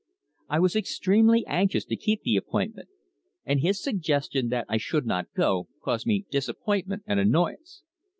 I was extremely anxious to keep the appointment, and his suggestion that I should not go caused me disappointment and annoyance.